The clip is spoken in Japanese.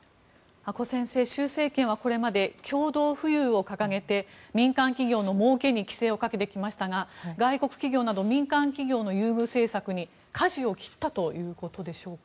阿古先生習政権はこれまで共同富裕を掲げて民間企業のもうけに規制をかけてきましたが外国企業など民間企業の優遇政策にかじを切ったということでしょうか。